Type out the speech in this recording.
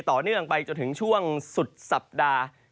ต่อเนื่องไปจนถึงช่วงสุดสัปดาห์